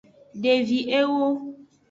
Devi ewo.